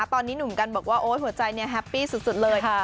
ตอนนี้หนุ่มกันบอกว่าโอ๊ยหัวใจเนี่ยแฮปปี้สุดเลย